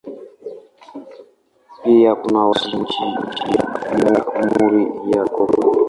Pia kuna wasemaji nchini Jamhuri ya Kongo.